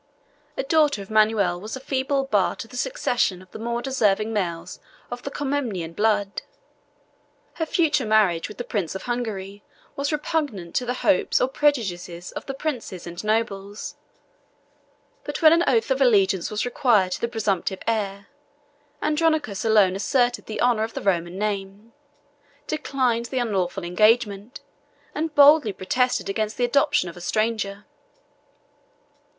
A daughter of Manuel was a feeble bar to the succession of the more deserving males of the Comnenian blood; her future marriage with the prince of Hungary was repugnant to the hopes or prejudices of the princes and nobles. But when an oath of allegiance was required to the presumptive heir, Andronicus alone asserted the honor of the Roman name, declined the unlawful engagement, and boldly protested against the adoption of a stranger.